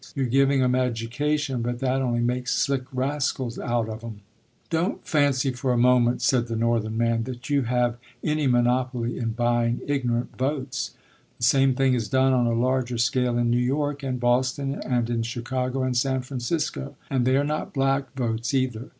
You're giving 'em education, but that only makes slick rascals out of 'em." "Don't fancy for a moment," said the Northern man, "that you have any monopoly in buying ignorant votes. The same thing is done on a larger scale in New York and Boston, and in Chicago and San Francisco; and they are not black votes either.